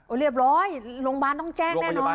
เรียบร้อยโรงพยาบาลต้องแจ้งแน่นอน